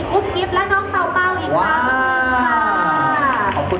กุ๊บกิ๊บและน้องเตาเตาอีกครับ